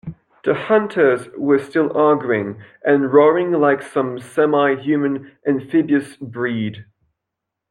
The hunters were still arguing and roaring like some semi-human amphibious breed.